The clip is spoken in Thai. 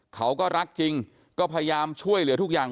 เขาก็รักจริงก็พยายามช่วยเหลือทุกอย่าง